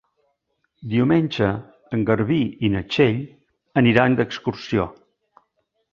Diumenge en Garbí i na Txell aniran d'excursió.